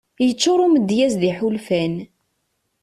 Yeččur umedyaz d iḥulfan.